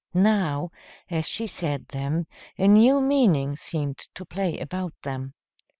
Now, as she said them, a new meaning seemed to play about them.